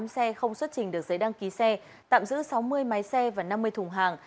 một mươi xe không xuất trình được giấy đăng ký xe tạm giữ sáu mươi máy xe và năm mươi thùng hàng